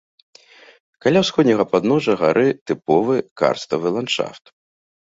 Каля ўсходняга падножжа гары тыповы карставы ландшафт.